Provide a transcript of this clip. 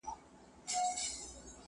د خپل بابا پر مېنه چلوي د مرګ باړونه؛